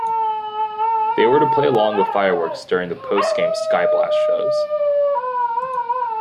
They were to play along with fireworks during the post-game "Skyblast" shows.